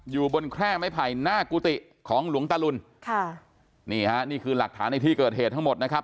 อยู่บนแคร่ไม้ไผ่หน้ากุฏิของหลวงตะลุนค่ะนี่ฮะนี่คือหลักฐานในที่เกิดเหตุทั้งหมดนะครับ